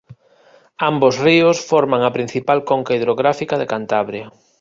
Ambos ríos forman a principal conca hidrográfica de Cantabria.